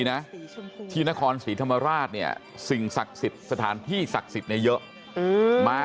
นะที่นครศรีธรรมราชเนี่ยสิ่งศักดิ์สถานที่ศักดิ์ในเยอะมา